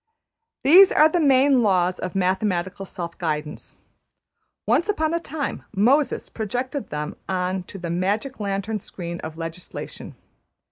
These are the main laws of mathematical self guidance. Once upon a time ``Moses'' projected them on to the magic lantern screen of legislation.